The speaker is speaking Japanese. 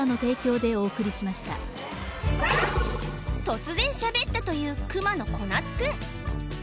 突然しゃべったというクマのこなつくん